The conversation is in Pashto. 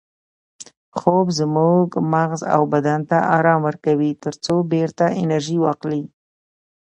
خوب زموږ مغز او بدن ته ارام ورکوي ترڅو بیرته انرژي واخلي